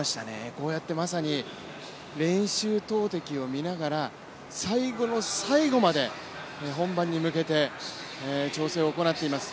こうやってまさに練習投てきを見ながら、最後の最後まで本番に向けて調整を行っています。